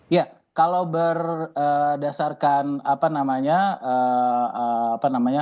ya kalau berdasarkan apa namanya